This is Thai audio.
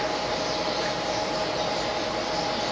ต้องเติมเนี่ย